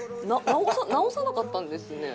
直さなかったんですね。